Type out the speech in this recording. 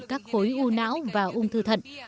các khối u não và ung thư thận